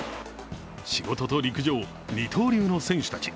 仕事と陸上、二刀流の選手たち。